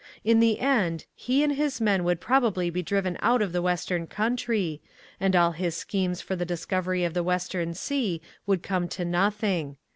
In the end, he and his men would probably be driven out of the western country, and all his schemes for the discovery of the Western Sea would come to nothing.